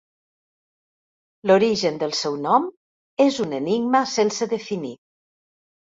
L'origen del seu nom és un enigma sense definir.